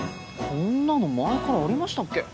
こんなの前からありましたっけ？